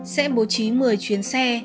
sẽ bố trí một mươi chuyến xe